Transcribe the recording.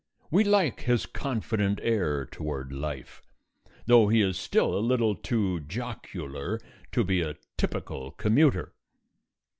We like his confident air toward life, though he is still a little too jocular to be a typical commuter.